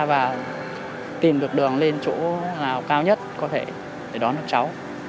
và tìm được đường lên chỗ nào cao nhất có thể để đón được cháu